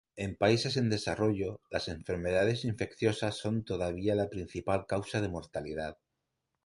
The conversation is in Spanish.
En países en desarrollo, las enfermedades infecciosas son todavía la principal causa de mortalidad.